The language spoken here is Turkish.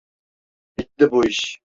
Bitti bu iş.